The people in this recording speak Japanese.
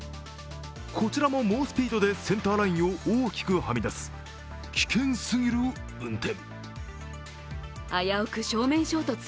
こちらも猛スピードでセンターラインを大きくはみ出す危険すぎる運転。